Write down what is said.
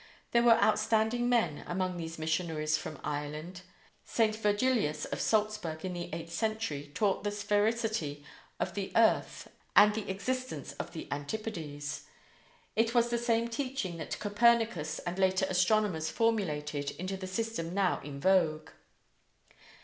There were outstanding men among these missionaries from Ireland. St. Virgilius of Salzburg in the eighth century taught the sphericity of the earth and the existence of the Antipodes. It was this same teaching that Copernicus and later astronomers formulated into the system now in vogue.